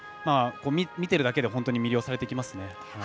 見ているだけで魅了されていきますね。